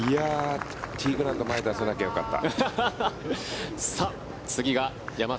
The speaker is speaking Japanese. ティーグラウンド前に出さなければよかった。